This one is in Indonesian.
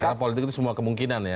karena politik itu semua kemungkinan ya